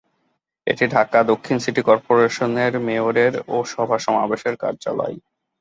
এটি ঢাকা দক্ষিণ সিটি কর্পোরেশনের মেয়রের ও সভা-সমাবেশের কার্যালয়।